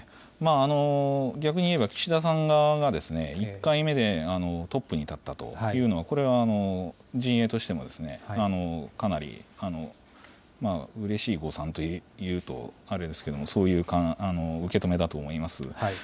逆にいえば、岸田さん側が１回目でトップに立ったというのは、これは陣営としても、かなりうれしい誤算というとあれですけれども、そういう受け止めだと思います。